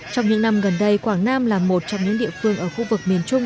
trong những năm gần đây quảng nam là một trong những địa phương ở khu vực miền trung